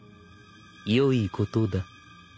よいことだ。